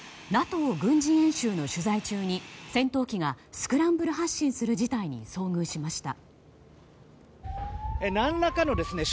ＮＡＴＯ軍事演習の取材中に戦闘機がスクランブル発進する事態に遭遇しました。